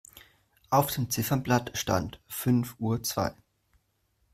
Auf dem Ziffernblatt stand fünf Uhr zwei.